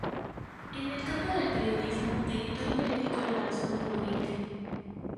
En el campo del periodismo editó el periódico La Razón de Bolivia.